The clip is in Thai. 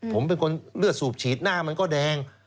ผมเป็นคนเลือดสูบฉีดหน้ามันก็แดง